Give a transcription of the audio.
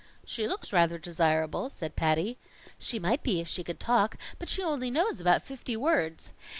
"She looks rather desirable," said Patty. "She might be if she could talk, but she only knows about fifty words.